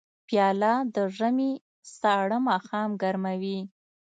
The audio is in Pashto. پیاله د ژمي سړه ماښام ګرموي.